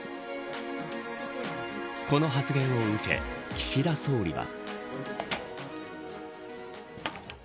この発言を受け岸田総理は。